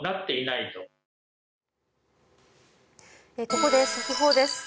ここで速報です。